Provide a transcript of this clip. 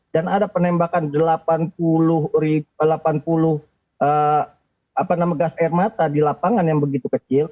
dan ada penembakan delapan puluh gas air mata di lapangan yang begitu kecil